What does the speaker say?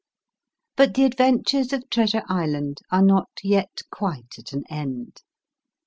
But the adventures of Treasure Island are not yet quite at an end.